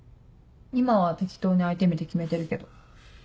今は適当に相手見て決めてるけど。